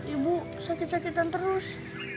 ibu sakit sakitan terus